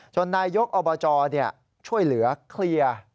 นายกอบจช่วยเหลือเคลียร์